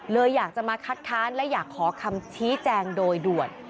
อยากจะมาคัดค้านและอยากขอคำชี้แจงโดยด่วน